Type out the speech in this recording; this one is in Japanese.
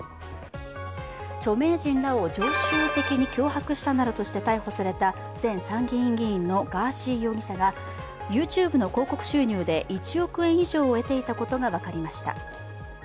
著名人らを常習的に脅迫したなどとして逮捕された前参議院議員のガーシー容疑者がＹｏｕＴｕｂｅの広告収入で１億円以上を得ていたことが分かりました。